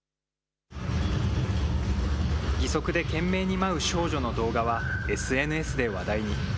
義足で懸命に舞う少女の動画は、ＳＮＳで話題に。